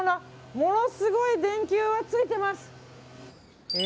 ものすごい電球がついてます。